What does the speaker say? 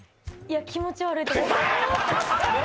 気持ち悪いと思います。